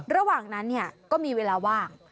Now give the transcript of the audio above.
ระหว่างนั้นก็มีเวลาว่าง